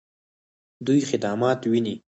دوی خدمات ویني؟